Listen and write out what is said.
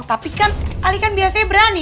tapi kan ali kan biasanya berani